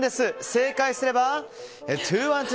正解すれば２１２